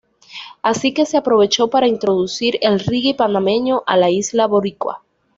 Así que se aprovechó para introducir el reggae panameño a la isla boricua.